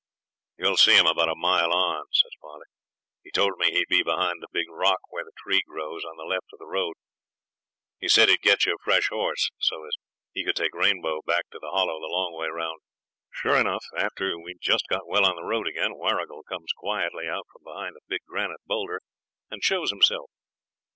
'You'll see him about a mile on,' says father. 'He told me he'd be behind the big rock where the tree grows on the left of the road. He said he'd get you a fresh horse, so as he could take Rainbow back to the Hollow the long way round.' Sure enough after we'd just got well on the road again Warrigal comes quietly out from behind a big granite boulder and shows himself.